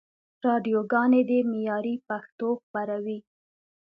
راډیوګاني دي معیاري پښتو خپروي.